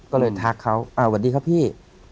ก็เลยทักเขาสวัสดีครับพี่